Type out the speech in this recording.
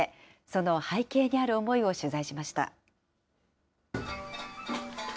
その背景にある思いを取材しました。